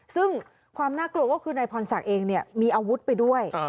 ซึ่งความน่ากลัวก็คือนายพรศักดิ์เองมีอาวุธไปด้วย